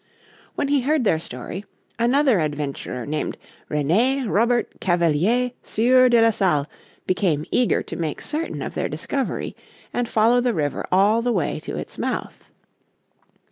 When he heard their story another adventurer named René Robert Cavelier Sieur de la Salle became eager to make certain of their discovery, and follow the river all the way to its mouth.